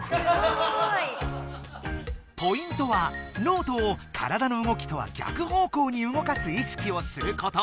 ポイントはノートを体の動きとは逆方向に動かす意識をすること！